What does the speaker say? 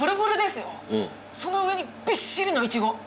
その上にびっしりのいちご。